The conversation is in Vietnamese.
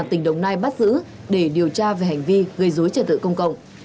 tỉnh đồng nai bắt giữ để điều tra về hành vi gây dối trật tự công cộng